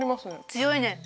強いね。